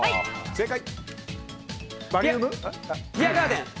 正解。